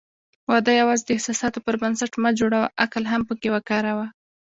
واده یوازې د احساساتو پر بنسټ مه جوړوه، عقل هم پکې وکاروه.